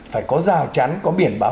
phải có rào chắn có biển báo